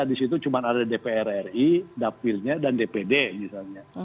di situ cuma ada dpr ri dapilnya dan dpd misalnya